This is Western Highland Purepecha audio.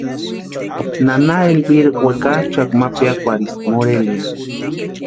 Nana Elvira wekachʼakwa ma piakwarhisti Morelia.